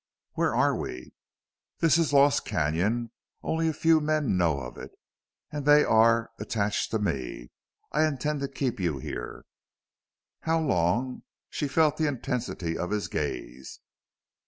"Where are we?" "This is Lost Canon. Only a few men know of it. And they are attached to me. I intend to keep you here." "How long?" She felt the intensity of his gaze.